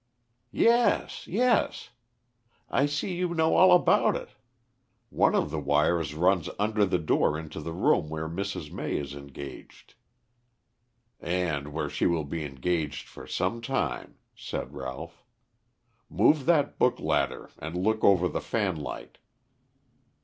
"Yes, yes. I see you know all about it. One of the wires runs under the door into the room where Mrs. May is engaged." "And where she will be engaged for some time," said Ralph. "Move that book ladder and look over the fanlight."